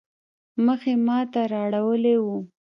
مخ يې ما ته رااړولی وو.